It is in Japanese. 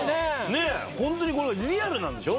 ねぇホントにこれリアルなんでしょ。